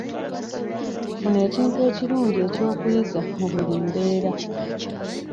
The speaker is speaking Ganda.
Funa ekintu ekirungi eky'okuyiga mu buli mbeera.